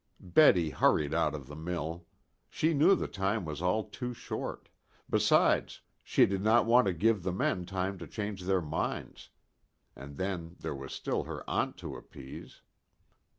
Betty hurried out of the mill. She knew the time was all too short; besides, she did not want to give the men time to change their minds. And then there was still her aunt to appease.